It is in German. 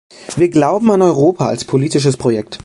Wir glauben an Europa als politisches Projekt.